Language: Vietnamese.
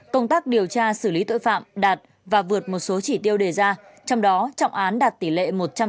công tác điều tra xử lý tội phạm đạt và vượt một số chỉ tiêu đề ra trong đó trọng án đạt tỷ lệ một trăm linh